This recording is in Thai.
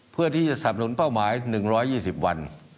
เพื่อที่จะสำนุนเป้าหมาย๑๒๐วัน